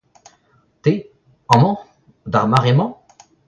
Te, amañ, d’ar mare-mañ ?